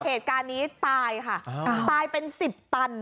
เหตุการณ์นี้ตายค่ะตายเป็น๑๐ตัน